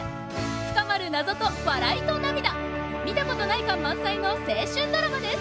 深まる謎と笑いと涙見たことない感満載の青春ドラマです！